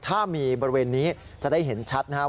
ถ้ามีบริเวณนี้จะได้เห็นชัดนะครับ